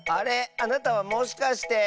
あなたはもしかして。